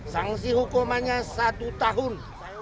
sangsi hukumannya satu tahun